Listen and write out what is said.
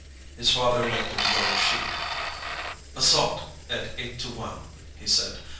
His father looked at the yellow sheet. "Assault, at eight to one," he said.